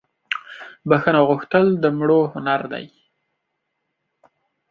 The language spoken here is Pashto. بخښنه غوښتل دمړو هنردي